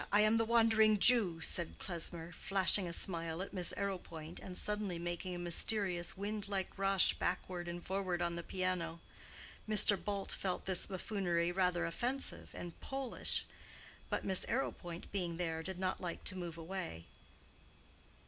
I am the Wandering Jew," said Klesmer, flashing a smile at Miss Arrowpoint, and suddenly making a mysterious, wind like rush backward and forward on the piano. Mr. Bult felt this buffoonery rather offensive and Polish, but—Miss Arrowpoint being there—did not like to move away.